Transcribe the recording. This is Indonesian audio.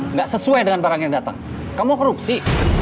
nggak sesuai dengan barang yang datang kamu korupsi